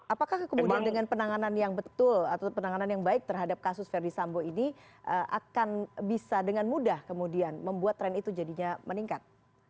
apakah kemudian dengan penanganan yang betul atau penanganan yang baik terhadap kasus verdi sambo ini akan bisa dengan mudah kemudian membuat tren itu jadinya meningkat